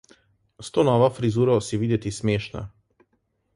S to novo frizuro si videti smešna.